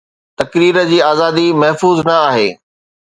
تقرير جي آزادي محفوظ نه آهي.